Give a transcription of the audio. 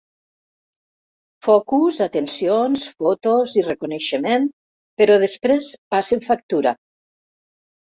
Focus, atencions, fotos i reconeixement, però després passen factura.